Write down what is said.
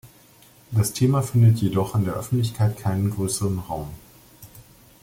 Das Thema findet jedoch in der Öffentlichkeit keinen größeren Raum.